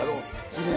きれい。